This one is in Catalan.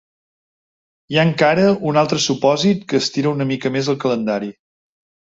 Hi ha encara un altre supòsit que estira una mica més el calendari.